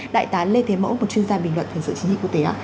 đại tá lê thế mẫu một chuyên gia bình luận về sự chiến dịch quốc tế